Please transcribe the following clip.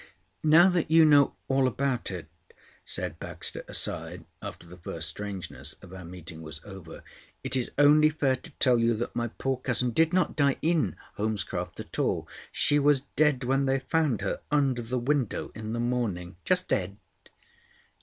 "Now that you know all about it," said Baxter aside, after the first strangeness of our meeting was over, "it's only fair to tell you that my poor cousin did not die in Holmescroft at all. She was dead when they found her under the window in the morning. Just dead."